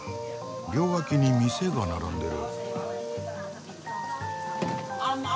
両脇に店が並んでる。